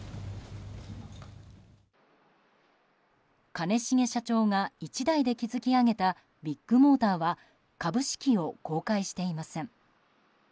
兼重社長が１代で築き上げたビッグモーターは株式を公開していません。